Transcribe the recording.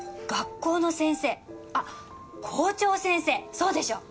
校長先生そうでしょう？